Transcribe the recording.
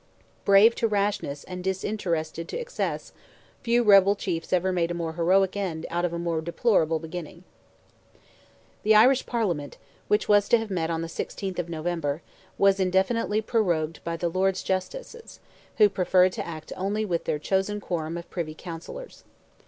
Brave to rashness and disinterested to excess, few rebel chiefs ever made a more heroic end out of a more deplorable beginning. The Irish Parliament, which was to have met on the 16th of November, was indefinitely prorogued by the Lords Justices, who preferred to act only with their chosen quorum of Privy Counsellors.